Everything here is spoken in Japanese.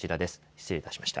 失礼いたしました。